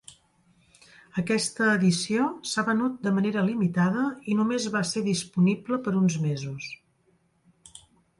Aquesta edició s'ha venut de manera limitada i només va ser disponible per uns mesos.